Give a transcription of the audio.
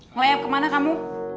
ngelayap kemana kamu